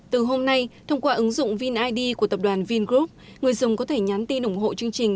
từ hôm nay thông qua ứng dụng vin id của tập đoàn vin group người dùng có thể nhắn tin ủng hộ chương trình